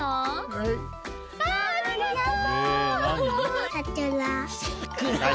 ありがとう。